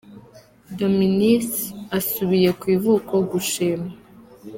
Dominice asubiye ku ivuko gushima